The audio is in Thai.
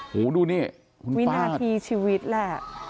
หูดูนี่วินาทีชีวิตแหละ